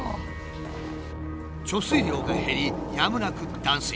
貯水量が減りやむなく断水。